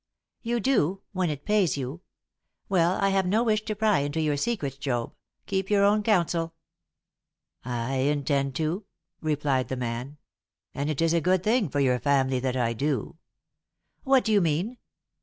"You do when it pays you. Well, I have no wish to pry into your secrets, Job. Keep your own counsel." "I intend to," replied the man. "And it is a good thing for your family that I do." "What do you mean?"